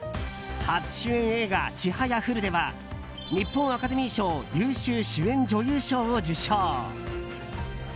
初主演映画「ちはやふる」では日本アカデミー賞優秀主演女優賞を受賞。